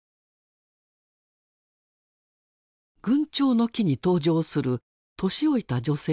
「群蝶の木」に登場する年老いた女性「ゴゼイ」。